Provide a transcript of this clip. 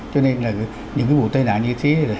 cho nên là những cái vụ tai nạn như thế này